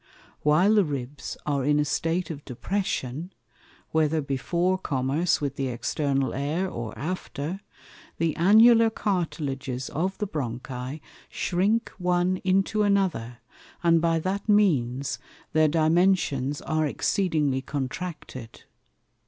While the Ribs are in a State of Depression (whether before Commerce with the External Air or after) the Annular Cartilages of the Bronchi shrink one into another, and by that means their Dimensions are exceedingly contracted.